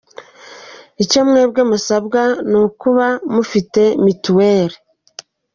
Icyo mwebwe musabwa ni ukuba mufite mituweri.